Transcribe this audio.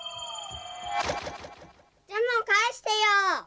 ジャムをかえしてよ！